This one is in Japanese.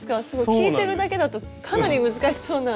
聞いてるだけだとかなり難しそうな。